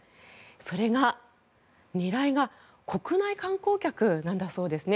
それが、狙いが国内観光客なんだそうですね。